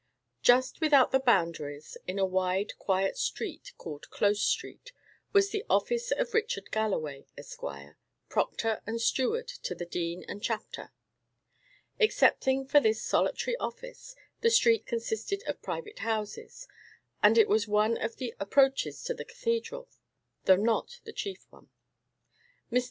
Just without the Boundaries, in a wide, quiet street, called Close Street, was the office of Richard Galloway, Esquire, Proctor, and Steward to the Dean and Chapter. Excepting for this solitary office, the street consisted of private houses, and it was one of the approaches to the cathedral, though not the chief one. Mr.